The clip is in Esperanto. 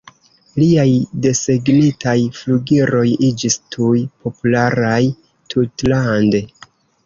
Liaj desegnitaj figuroj iĝis tuj popularaj tutlande.